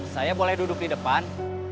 saya boleh duduk di depan